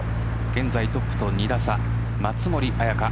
現在トップと２打差松森彩夏。